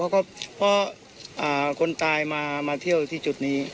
เพราะคนตายมาเที่ยวที่จุดนี้